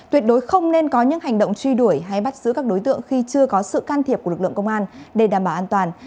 tuyệt đối không nên có những hành động truy đuổi hay bắt giữ các đối tượng khi chưa có sự can thiệp của lực lượng công an để đảm bảo an toàn